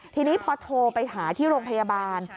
ทีนี้พอโทรไปหาที่โรงพยาบาล